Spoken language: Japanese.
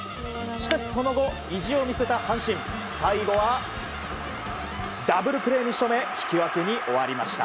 しかしその後、意地を見せた阪神最後はダブルプレーに仕留め引き分けに終わりました。